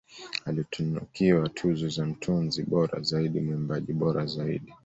Alitunukiwa tuzo za Mtunzi bora zaidi mwimbaji bora zaidi